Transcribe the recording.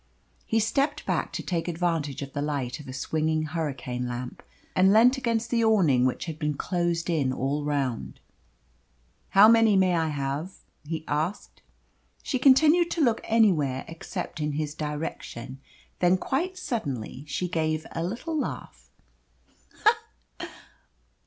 He stepped back to take advantage of the light of a swinging hurricane lamp, and leant against the awning which had been closed in all round. "How many may I have?" he asked. She continued to look anywhere except in his direction. Then quite suddenly she gave a little laugh.